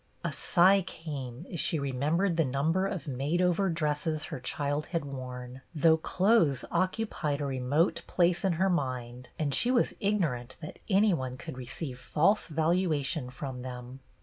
A sigh came as she remembered the number of made over dresses her child had worn, though clothes occupied a remote place in her mind, and she was ignorant that any one could receive false valuation from them.